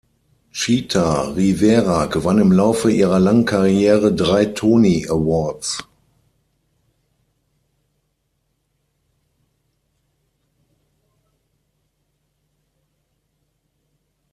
Chita Rivera gewann im Laufe ihrer langen Karriere drei Tony Awards.